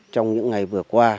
trong những ngày vừa qua